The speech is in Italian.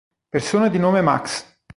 Persone di nome Max